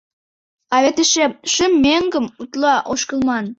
— А вет эше шым меҥгым утла ошкылман.